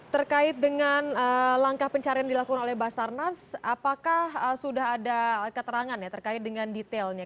terkait dengan langkah pencarian dilakukan oleh basarnas apakah sudah ada keterangan ya terkait dengan detailnya